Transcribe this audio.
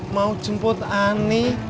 mau jemput ani